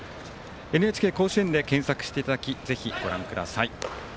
ＮＨＫ甲子園で検索していただきぜひ、ご覧ください。